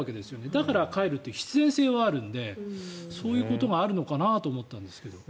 だから帰るって必然性はあるのでそういうことがあるのかなと思ったんですが。